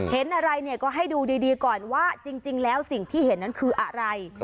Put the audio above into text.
เห็นอะไรเนี่ยก็ให้ดูดีก่อนว่าจริงแล้วสิ่งที่เห็นนั้นคืออะไร